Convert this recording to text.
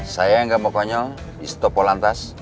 saya yang gak mau konyol di stop polantas